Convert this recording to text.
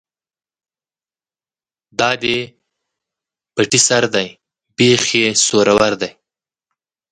ـ دا دې پټي سر دى ،بېخ يې سورور دى.